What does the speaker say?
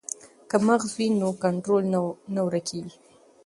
که مغز وي نو کنټرول نه ورکیږي.